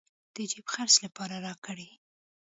د جېب خرڅ لپاره راكړې.